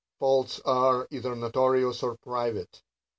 Faults are either notorious, or private.